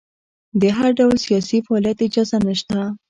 د هر ډول سیاسي فعالیت اجازه نشته.